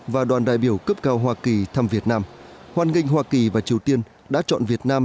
và đoàn đại biểu cấp cao hoa kỳ thăm việt nam hoan nghênh hoa kỳ và triều tiên đã chọn việt nam